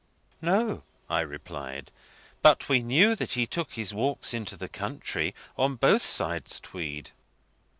"No," I replied; "but we knew that he took his walks into the country on both sides Tweed."